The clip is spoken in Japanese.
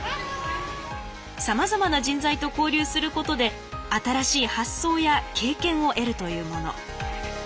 さまざまな人材と交流することで新しい発想や経験を得るというもの。